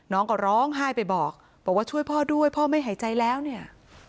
น้องก็ร้องไห้ไปบอกบอกว่าช่วยพ่อด้วยพ่อไม่หายใจแล้วเนี่ย